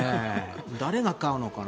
誰が買うのかな。